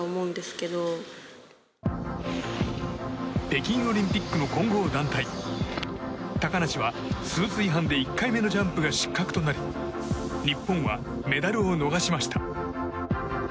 北京オリンピックの混合団体高梨はスーツ違反で１回目のジャンプが失格となり日本はメダルを逃しました。